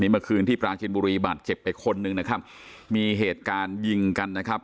เมื่อคืนที่ปราจินบุรีบาดเจ็บไปคนหนึ่งนะครับมีเหตุการณ์ยิงกันนะครับ